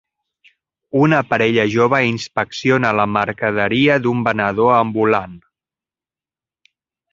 Una parella jove inspecciona la mercaderia d'un venedor ambulant.